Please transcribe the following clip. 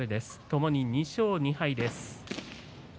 ともに２勝２敗です。